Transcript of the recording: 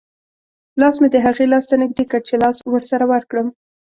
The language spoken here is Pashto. لاس مې د هغې لاس ته نږدې کړ چې لاس ورسره ورکړم.